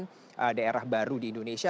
merupakan daerah baru di indonesia